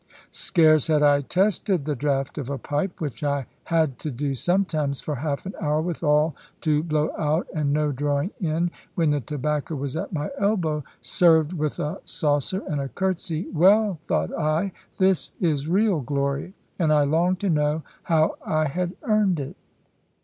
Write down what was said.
Scarce had I tested the draught of a pipe which I had to do sometimes for half an hour, with all to blow out, and no drawing in when the tobacco was at my elbow, served with a saucer, and a curtsey. "Well," thought I, "this is real glory." And I longed to know how I had earned it.